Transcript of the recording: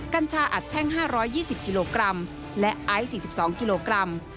กัญชาอัดแท่ง๕๒๐กิโลกรัมและไอซ์๔๒กิโลกรัม